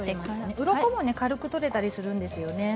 うろこも軽く取れたりするんですよね。